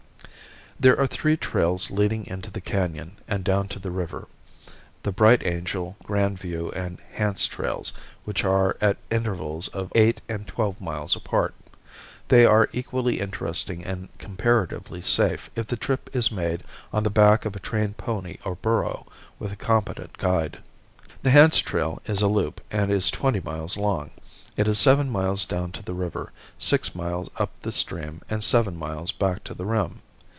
There are three trails leading into the canon and down to the river, the Bright Angel, Grand View and Hance trails, which are at intervals of eight and twelve miles apart. They are equally interesting and comparatively safe if the trip is made on the back of a trained pony or burro with a competent guide. The Hance trail is a loop and is twenty miles long. It is seven miles down to the river, six miles up the stream and seven miles back to the rim.